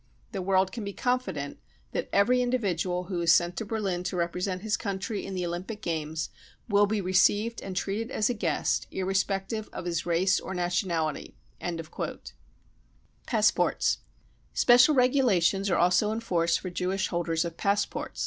The world can be confident that every individual who is sent to Berlin to represent his country in the Olympic Games will be received and treated as a guest, irrespectrtfb of his race or nationality." Passports. Special regulations are also in force for Jewish holders of passports.